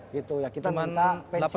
gitu ya kita minta pensiunan lah